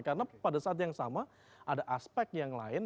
karena pada saat yang sama ada aspek yang lain